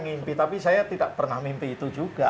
mimpi tapi saya tidak pernah mimpi itu juga